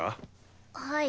はい。